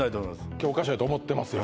教科書やと思ってますよ